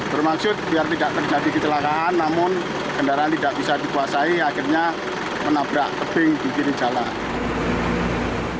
bermaksud biar tidak terjadi kecelakaan namun kendaraan tidak bisa dikuasai akhirnya menabrak tebing di kiri jalan